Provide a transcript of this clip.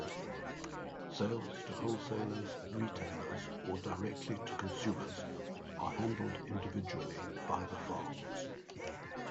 Sales to wholesalers, retailers or directly to consumers are handled individually by the farms.